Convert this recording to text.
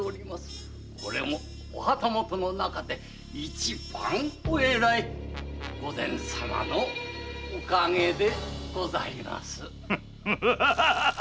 これも御旗本の中で一番お偉い御前様のおかげでございます。